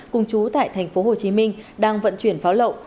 cùng chú tại tp hcm đang vận chuyển pháo lậu